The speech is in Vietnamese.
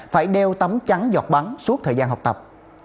phải đeo tấm chắn giọt bắn suốt thời gian học tập